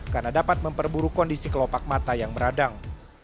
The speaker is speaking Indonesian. karena dapat memperburuk kondisi kelopak mata yang beradang